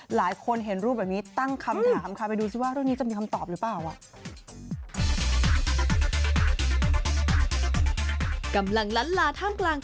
หลายคนเห็นรูปแบบนี้ตั้งคำถามค่ะ